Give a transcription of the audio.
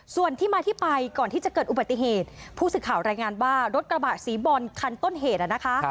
ส่วนที่มาที่ไปก่อนที่จะเกิดอุบัติเหตุผู้สื่อข่าวรายงานว่ารถกระบะสีบอลคันต้นเหตุนะคะ